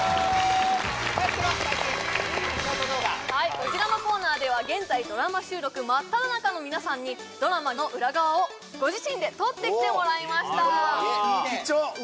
こちらのコーナーでは現在ドラマ収録真っただ中の皆さんにドラマの裏側をご自身で撮ってきてもらいました貴重！